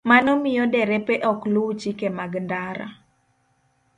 Mano miyo derepe ok luw chike mag ndara.